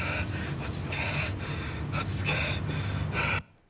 落ち着け、落ち着け。